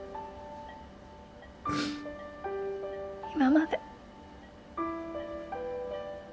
今まで。